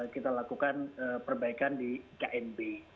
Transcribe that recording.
kita lakukan perbaikan di knb